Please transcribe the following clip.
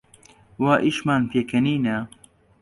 وا ئیشمان پێکەنینە